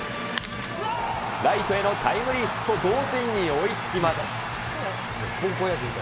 ライトへのタイムリーヒット、同点に追いつきます。